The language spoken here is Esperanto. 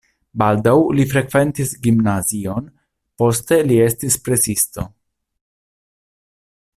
Baldaŭ li frekventis gimnazion, poste li estis presisto.